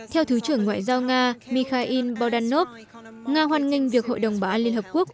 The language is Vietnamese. theo thứ trưởng ngoại giao nga mikhail bordanov nga hoan nghênh việc hội đồng bảo an liên hợp quốc